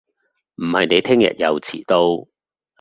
唔係你聽日又遲到